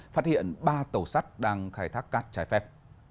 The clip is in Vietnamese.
phát hiện ba tàu sắt đang khai thác cát trái phép